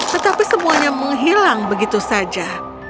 tetapi semuanya menghilang begitu saja